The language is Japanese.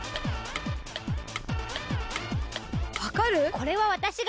これはわたしが。